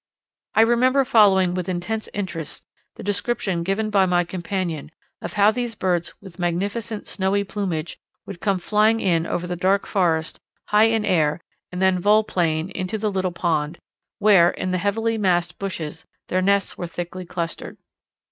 I remember following with intense interest the description given by my companion of how these birds with magnificent snowy plumage would come flying in over the dark forest high in air and then volplane to the little pond where, in the heavily massed bushes, their nests were thickly clustered.